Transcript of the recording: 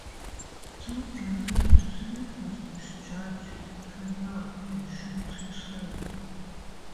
Tom realizes he has misjudged Kenyon and shakes his hand.